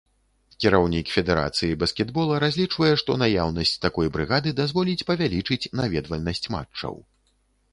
Кіраўнік федэрацыі баскетбола разлічвае, што наяўнасць такой брыгады дазволіць павялічыць наведвальнасць матчаў.